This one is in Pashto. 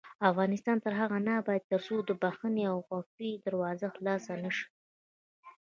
افغانستان تر هغو نه ابادیږي، ترڅو د بښنې او عفوې دروازه خلاصه نشي.